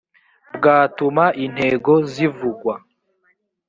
bwatuma intego zivugwa